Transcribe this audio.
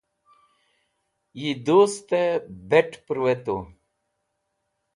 yi dust bet purwetu